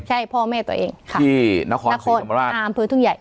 ใช่พ่อแม่ตัวเองที่นครศรีธรรมราชอ่าอำเภอทุ่งใหญ่